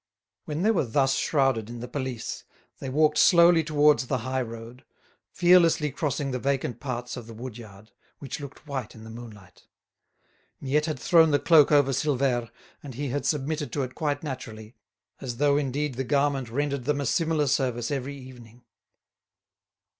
When they were thus shrouded in the pelisse they walked slowly towards the high road, fearlessly crossing the vacant parts of the wood yard, which looked white in the moonlight. Miette had thrown the cloak over Silvère, and he had submitted to it quite naturally, as though indeed the garment rendered them a similar service every evening.